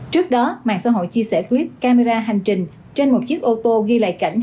trước đó mạng xã hội chia sẻ clip camera hành trình trên một chiếc ô tô ghi lại cảnh